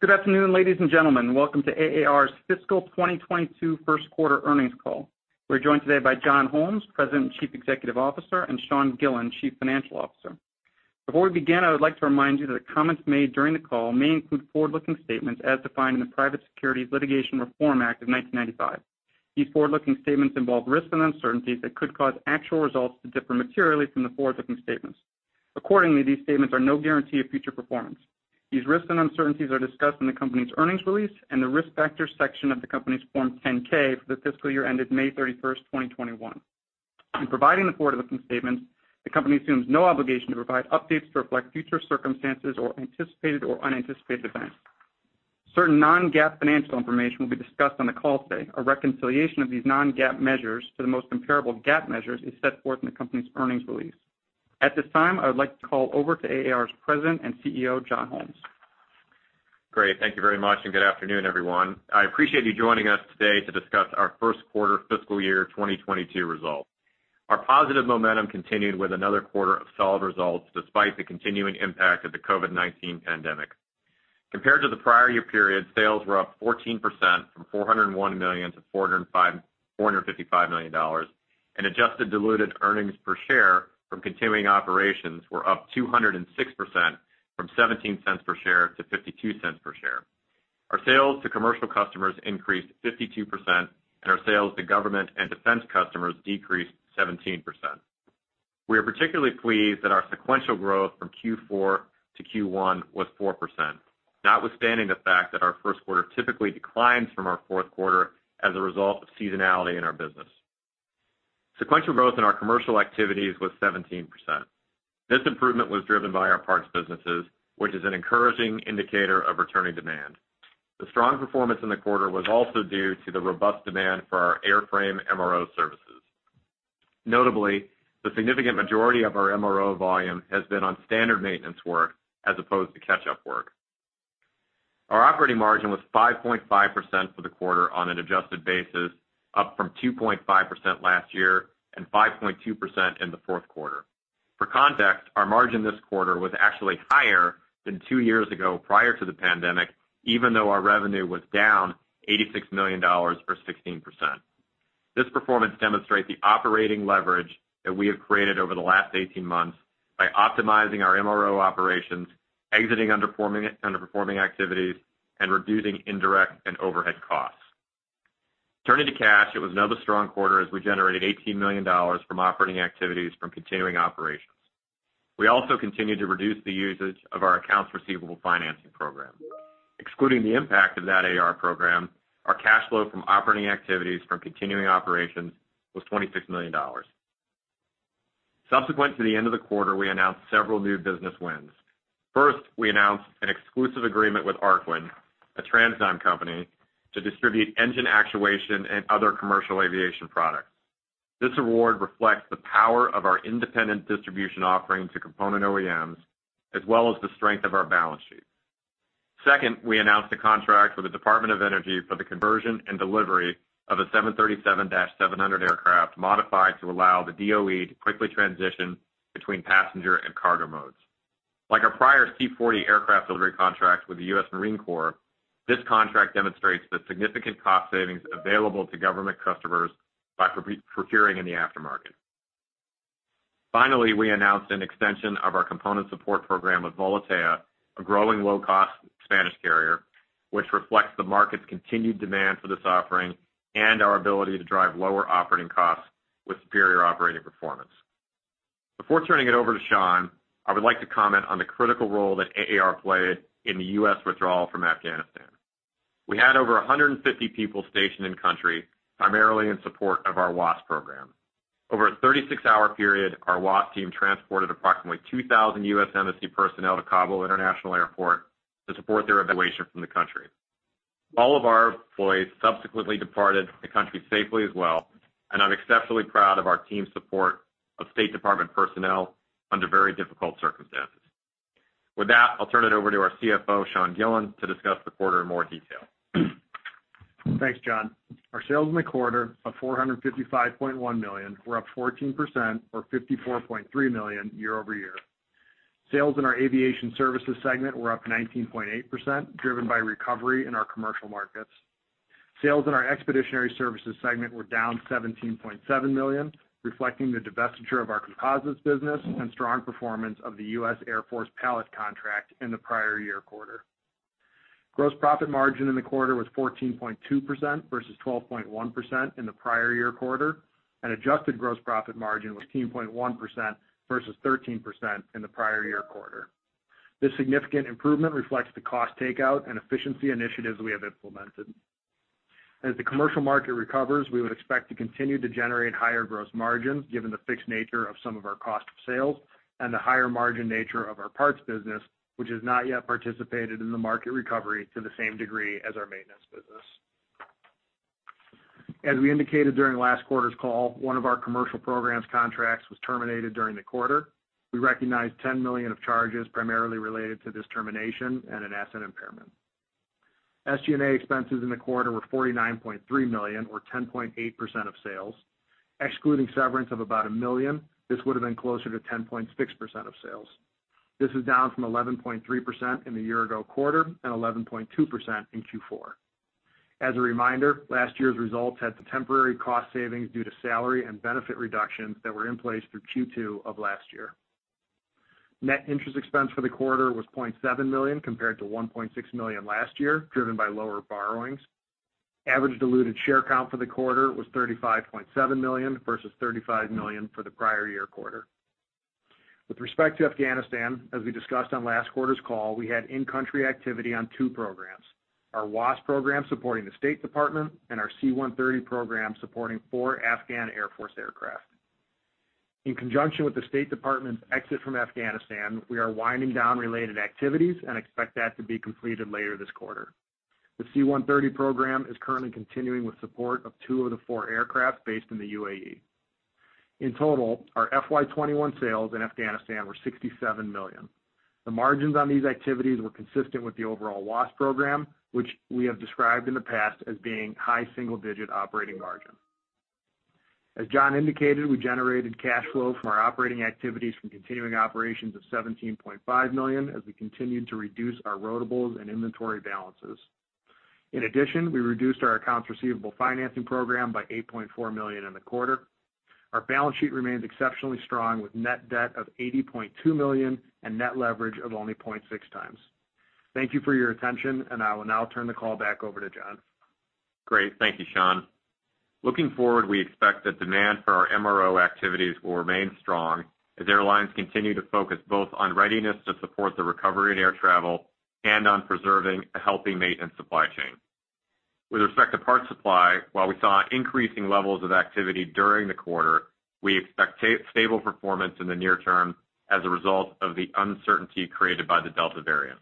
Good afternoon, ladies and gentlemen. Welcome to AAR's Fiscal 2022 First Quarter Earnings Call. We're joined today by John Holmes, President and Chief Executive Officer, and Sean Gillen, Chief Financial Officer. Before we begin, I would like to remind you that comments made during the call may include forward-looking statements as defined in the Private Securities Litigation Reform Act of 1995. These forward-looking statements involve risks and uncertainties that could cause actual results to differ materially from the forward-looking statements. Accordingly, these statements are no guarantee of future performance. These risks and uncertainties are discussed in the company's earnings release and the Risk Factors section of the company's Form 10-K for the fiscal year ended May 31st, 2021. In providing the forward-looking statements, the company assumes no obligation to provide updates to reflect future circumstances or anticipated or unanticipated events. Certain non-GAAP financial information will be discussed on the call today. A reconciliation of these non-GAAP measures to the most comparable GAAP measure is set forth in the company's earnings release. At this time, I would like to call over to AAR's President and CEO, John M. Holmes. Great. Thank you very much, good afternoon, everyone. I appreciate you joining us today to discuss our first quarter FY 2022 results. Our positive momentum continued with another quarter of solid results despite the continuing impact of the COVID-19 pandemic. Compared to the prior year period, sales were up 14% from $401 million-$455 million. Adjusted diluted earnings per share from continuing operations were up 206% from $0.17 per share to $0.52 per share. Our sales to commercial customers increased 52%. Our sales to government and defense customers decreased 17%. We are particularly pleased that our sequential growth from Q4 to Q1 was 4%, notwithstanding the fact that our first quarter typically declines from our fourth quarter as a result of seasonality in our business. Sequential growth in our commercial activities was 17%. This improvement was driven by our parts businesses, which is an encouraging indicator of returning demand. The strong performance in the quarter was also due to the robust demand for our airframe MRO services. Notably, the significant majority of our MRO volume has been on standard maintenance work as opposed to catch-up work. Our operating margin was 5.5% for the quarter on an adjusted basis, up from 2.5% last year and 5.2% in the fourth quarter. For context, our margin this quarter was actually higher than two years ago prior to the pandemic, even though our revenue was down $86 million or 16%. This performance demonstrates the operating leverage that we have created over the last 18 months by optimizing our MRO operations, exiting underperforming activities, and reducing indirect and overhead costs. Turning to cash, it was another strong quarter as we generated $18 million from operating activities from continuing operations. We also continued to reduce the usage of our accounts receivable financing program. Excluding the impact of that AR program, our cash flow from operating activities from continuing operations was $26 million. Subsequent to the end of the quarter, we announced several new business wins. First, we announced an exclusive agreement with Arkwin, a TransDigm company, to distribute engine actuation and other commercial aviation products. This award reflects the power of our independent distribution offering to component OEMs, as well as the strength of our balance sheet. Second, we announced a contract with the Department of Energy for the conversion and delivery of a 737-700 aircraft modified to allow the DOE to quickly transition between passenger and cargo modes. Like our prior C-40 aircraft delivery contract with the United States Marine Corps, this contract demonstrates the significant cost savings available to government customers by procuring in the aftermarket. We announced an extension of our component support program with Volotea, a growing low-cost Spanish carrier, which reflects the market's continued demand for this offering and our ability to drive lower operating costs with superior operating performance. Before turning it over to Sean, I would like to comment on the critical role that AAR played in the U.S. withdrawal from Afghanistan. We had over 150 people stationed in country, primarily in support of our WAAS program. Over a 36-hour period, our WAAS team transported approximately 2,000 U.S. Embassy personnel to Kabul International Airport to support their evacuation from the country. All of our employees subsequently departed the country safely as well, and I'm exceptionally proud of our team's support of State Department personnel under very difficult circumstances. With that, I'll turn it over to our CFO, Sean Gillen, to discuss the quarter in more detail. Thanks, John. Our sales in the quarter of $455.1 million were up 14% or $54.3 million year-over-year. Sales in our aviation services segment were up 19.8%, driven by recovery in our commercial markets. Sales in our expeditionary services segment were down $17.7 million, reflecting the divestiture of our Composites business and strong performance of the U.S. Air Force pallet contract in the prior year quarter. Gross profit margin in the quarter was 14.2% versus 12.1% in the prior year quarter, and adjusted gross profit margin was 15.1% versus 13% in the prior year quarter. This significant improvement reflects the cost takeout and efficiency initiatives we have implemented. As the commercial market recovers, we would expect to continue to generate higher gross margins given the fixed nature of some of our cost of sales and the higher margin nature of our parts business, which has not yet participated in the market recovery to the same degree as our maintenance business. As we indicated during last quarter's call, one of our commercial programs contracts was terminated during the quarter. We recognized $10 million of charges primarily related to this termination and an asset impairment. SG&A expenses in the quarter were $49.3 million or 10.8% of sales. Excluding severance of about $1 million, this would've been closer to 10.6% of sales. This is down from 11.3% in the year-ago quarter and 11.2% in Q4. As a reminder, last year's results had some temporary cost savings due to salary and benefit reductions that were in place through Q2 of last year. Net interest expense for the quarter was $0.7 million compared to $1.6 million last year, driven by lower borrowings. Average diluted share count for the quarter was 35.7 million versus 35 million for the prior year quarter. With respect to Afghanistan, as we discussed on last quarter's call, we had in-country activity on two programs, our WAAS program supporting the State Department and our C-130 program supporting four Afghan Air Force aircraft. In conjunction with the State Department's exit from Afghanistan, we are winding down related activities and expect that to be completed later this quarter. The C-130 program is currently continuing with support of two of the four aircraft based in the UAE. In total, our FY '21 sales in Afghanistan were $67 million. The margins on these activities were consistent with the overall WAAS program, which we have described in the past as being high single-digit operating margin. As John indicated, we generated cash flow from our operating activities from continuing operations of $17.5 million as we continued to reduce our rotables and inventory balances. In addition, we reduced our accounts receivable financing program by $8.4 million in the quarter. Our balance sheet remains exceptionally strong with net debt of $80.2 million and net leverage of only 0.6 times. Thank you for your attention, I will now turn the call back over to John. Great. Thank you, Sean. Looking forward, we expect that demand for our MRO activities will remain strong as airlines continue to focus both on readiness to support the recovery in air travel and on preserving a healthy maintenance supply chain. With respect to parts supply, while we saw increasing levels of activity during the quarter, we expect stable performance in the near term as a result of the uncertainty created by the Delta variant.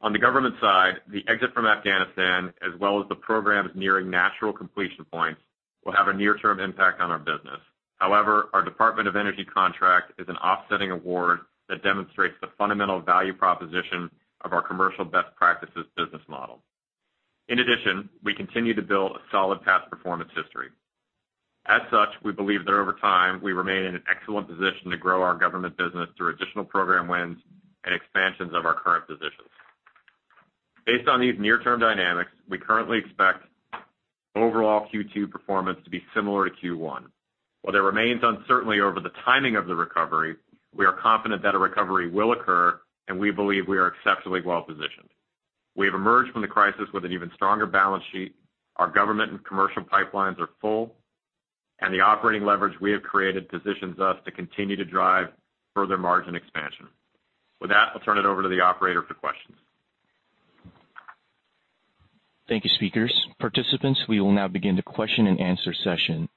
On the government side, the exit from Afghanistan, as well as the programs nearing natural completion points, will have a near-term impact on our business. However, our Department of Energy contract is an offsetting award that demonstrates the fundamental value proposition of our commercial best practices business model. In addition, we continue to build a solid past performance history. As such, we believe that over time, we remain in an excellent position to grow our government business through additional program wins and expansions of our current positions. Based on these near-term dynamics, we currently expect overall Q2 performance to be similar to Q1. While there remains uncertainty over the timing of the recovery, we are confident that a recovery will occur, and we believe we are exceptionally well-positioned. We have emerged from the crisis with an even stronger balance sheet. Our government and commercial pipelines are full, and the operating leverage we have created positions us to continue to drive further margin expansion. With that, I'll turn it over to the operator for questions. Thank you, speakers. Participants, we will now begin the question and answer session.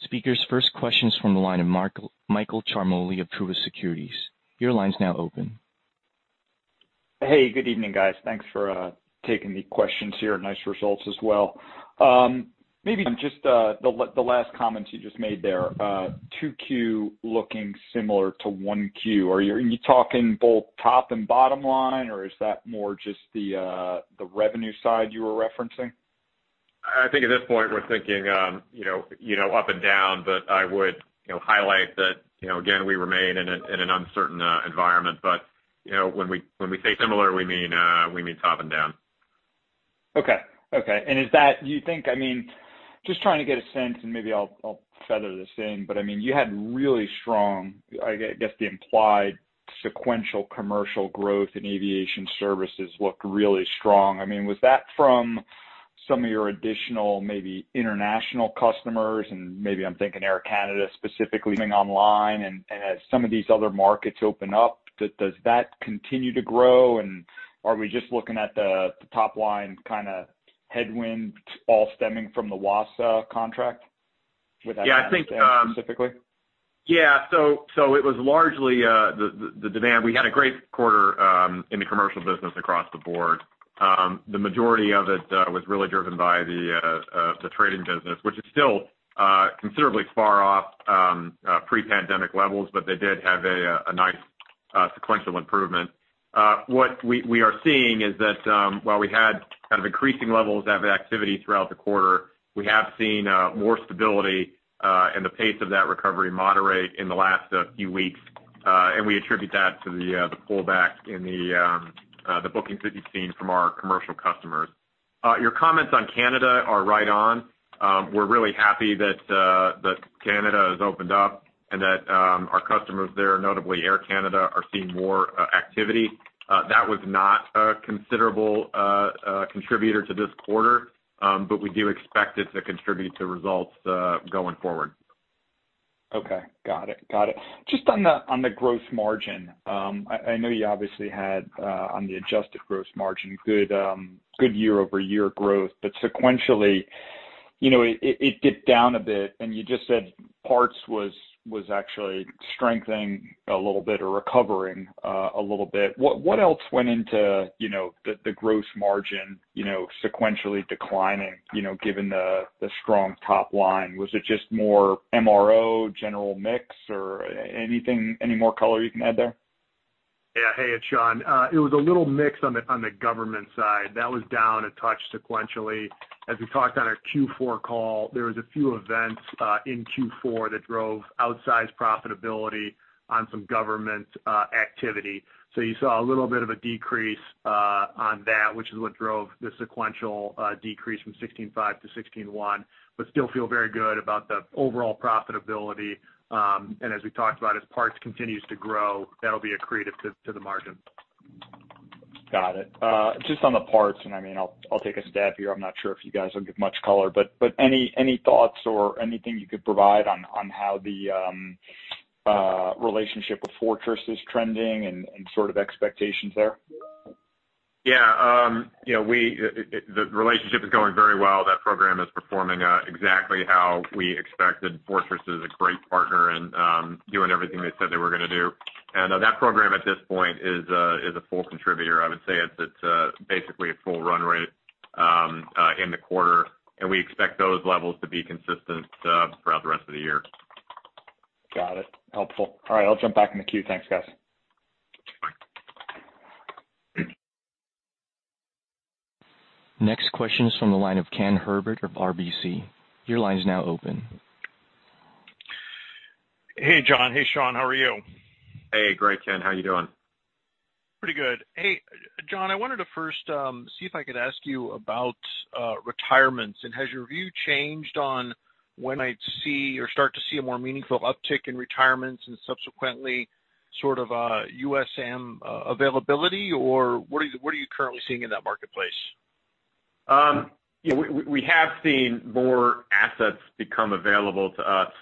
Speakers, first question's from the line of Michael Ciarmoli of Truist Securities. Your line's now open. Hey, good evening, guys. Thanks for taking the questions here. Nice results as well. Maybe just the last comments you just made there, 2Q looking similar to 1Q. Are you talking both top and bottom line, or is that more just the revenue side you were referencing? I think at this point, we're thinking up and down, but I would highlight that, again, we remain in an uncertain environment. When we say similar, we mean, we mean top and down. Okay. Is that do you think, just trying to get a sense, and maybe I'll feather this in, but you had really strong, I guess, the implied sequential commercial growth in aviation services looked really strong. Was that from some of your additional, maybe international customers, and maybe I'm thinking Air Canada specifically coming online, and as some of these other markets open up, does that continue to grow? Are we just looking at the top line kind of headwind, all stemming from the WAAS contract? Yeah. specifically? Yeah. It was largely the demand. We had a great quarter in the commercial business across the board. The majority of it was really driven by the trading business, which is still considerably far off pre-pandemic levels, but they did have a nice sequential improvement. What we are seeing is that, while we had kind of increasing levels of activity throughout the quarter, we have seen more stability in the pace of that recovery moderate in the last few weeks. And we attribute that to the pullback in the bookings that you've seen from our commercial customers. Your comments on Canada are right on. We're really happy that Canada has opened up and that our customers there, notably Air Canada, are seeing more activity. That was not a considerable contributor to this quarter, but we do expect it to contribute to results going forward. Okay. Got it. Just on the gross margin, I know you obviously had, on the adjusted gross margin, good, year-over-year growth. Sequentially it dipped down a bit, and you just said parts was actually strengthening a little bit or recovering a little bit. What else went into the gross margin sequentially declining, given the strong top line? Was it just more MRO, general mix, or any more color you can add there? Yeah. Hey, it's Sean. It was a little mixed on the government side. That was down a touch sequentially. As we talked on our Q4 call, there was a few events in Q4 that drove outsized profitability on some government activity. You saw a little bit of a decrease on that, which is what drove the sequential decrease from 16.5% to 16.1%, but still feel very good about the overall profitability. As we talked about, as parts continues to grow, that'll be accretive to the margin. Got it. Just on the parts, I'll take a stab here. I'm not sure if you guys will give much color, any thoughts or anything you could provide on how the relationship with Fortress is trending and expectations there? Yeah. The relationship is going very well. That program is performing exactly how we expected. Fortress is a great partner and doing everything they said they were going to do. That program at this point is a full contributor. I would say it's basically at full run rate in the quarter, and we expect those levels to be consistent throughout the rest of the year. Got it. Helpful. All right, I'll jump back in the queue. Thanks, guys. Next question is from the line of Ken Herbert of RBC. Your line is now open. Hey, John. Hey, Sean. How are you? Hey. Great, Ken. How are you doing? Pretty good. Hey, John, I wanted to first see if I could ask you about retirements, and has your view changed on when I'd see or start to see a more meaningful uptick in retirements and subsequently sort of a USM availability, or what are you currently seeing in that marketplace? We have seen more assets become available to us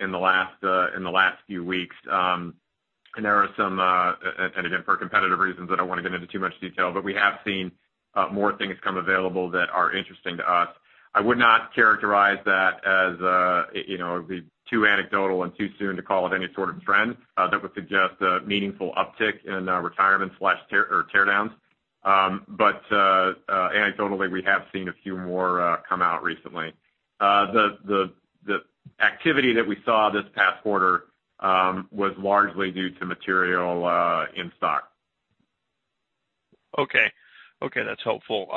in the last few weeks. Again, for competitive reasons, I don't want to get into too much detail, but we have seen more things come available that are interesting to us. I would not characterize that as it'd be too anecdotal and too soon to call it any sort of trend that would suggest a meaningful uptick in retirement/teardowns. Anecdotally, we have seen a few more come out recently. The activity that we saw this past quarter was largely due to material in stock. Okay. That's helpful.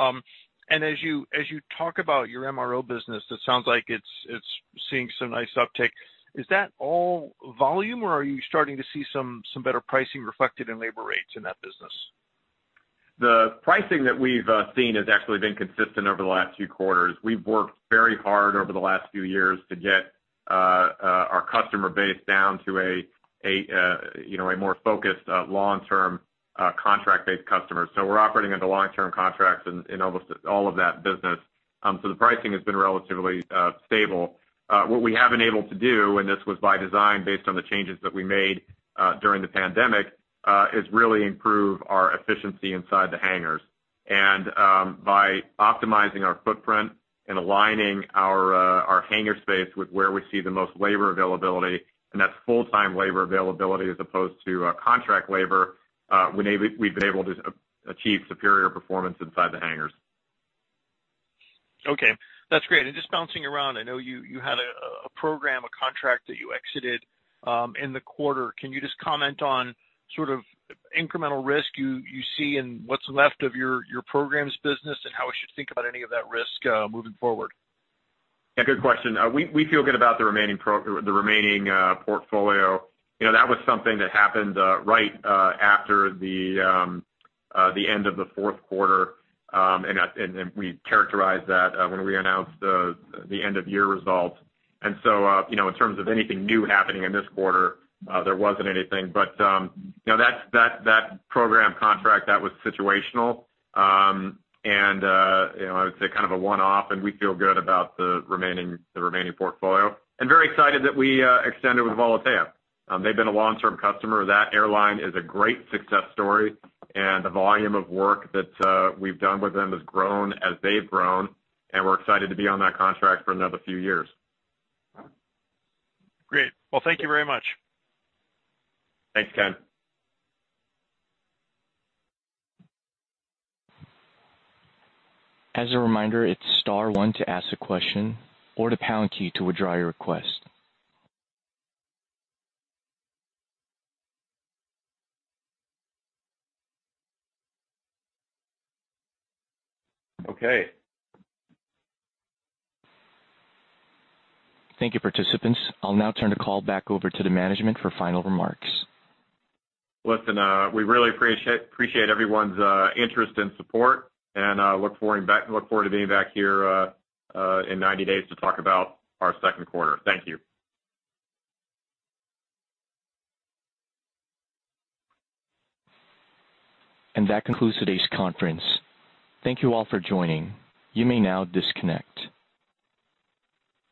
As you talk about your MRO business, it sounds like it's seeing some nice uptick. Is that all volume, or are you starting to see some better pricing reflected in labor rates in that business? The pricing that we've seen has actually been consistent over the last few quarters. We've worked very hard over the last few years to get our customer base down to a more focused, long-term, contract-based customer. We're operating under long-term contracts in almost all of that business. The pricing has been relatively stable. What we have been able to do, and this was by design based on the changes that we made during the pandemic, is really improve our efficiency inside the hangars. By optimizing our footprint and aligning our hangar space with where we see the most labor availability, and that's full-time labor availability as opposed to contract labor, we've been able to achieve superior performance inside the hangars. Okay. That's great. Just bouncing around, I know you had a program, a contract that you exited in the quarter. Can you just comment on sort of incremental risk you see in what's left of your programs business and how we should think about any of that risk moving forward? Yeah. Good question. We feel good about the remaining portfolio. That was something that happened right after the end of the fourth quarter. We characterized that when we announced the end of year results. In terms of anything new happening in this quarter, there wasn't anything. That program contract, that was situational, and I would say kind of a one-off, and we feel good about the remaining portfolio. Very excited that we extended with Volotea. They've been a long-term customer. That airline is a great success story, and the volume of work that we've done with them has grown as they've grown, and we're excited to be on that contract for another few years. Great. Well, thank you very much. Thanks, Ken. As a reminder, it's star one to ask a question or the pound key to withdraw your request. Okay. Thank you, participants. I'll now turn the call back over to the management for final remarks. Listen, we really appreciate everyone's interest and support and look forward to being back here in 90 days to talk about our second quarter. Thank you. That concludes today's conference. Thank you all for joining. You may now disconnect.